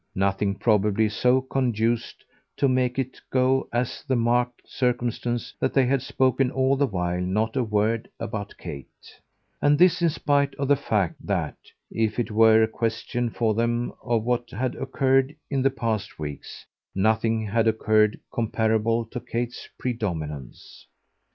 Nothing probably so conduced to make it go as the marked circumstance that they had spoken all the while not a word about Kate; and this in spite of the fact that, if it were a question for them of what had occurred in the past weeks, nothing had occurred comparable to Kate's predominance.